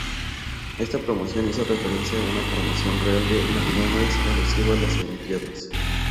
Esta promoción hizo referencia a una promoción real de McDonalds alusiva a las Olimpiadas.